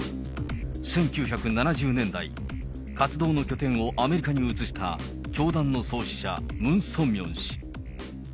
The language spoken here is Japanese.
１９７０年代、活動の拠点をアメリカに移した教団の創始者、ムン・ソンミョン氏。